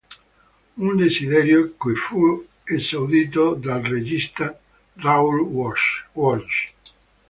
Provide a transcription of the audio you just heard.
Un desiderio, che fu esaudito dal regista Raoul Walsh.